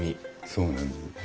そうなんです。